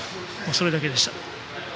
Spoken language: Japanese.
それだけでした。